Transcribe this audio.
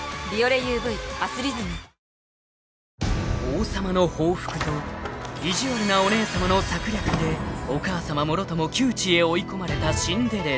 ［王様の報復と意地悪なお姉さまの策略でお母さまもろとも窮地へ追い込まれたシンデレラ］